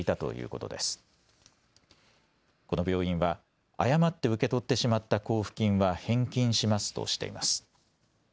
この病院は、誤って受け取ってしまった交付金は返金しますとしています。